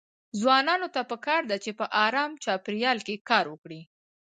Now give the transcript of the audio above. ځوانانو ته پکار ده چې په ارام چاپيريال کې کار وکړي.